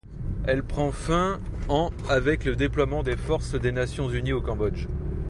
Elle prend fin en avec le déploiement des forces des Nations unies au Cambodge.